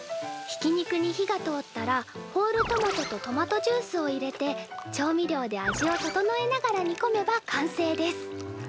ひき肉に火が通ったらホールトマトとトマトジュースを入れて調味料で味をととのえながら煮込めば完成です。